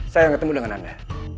saya ketemu dengan anda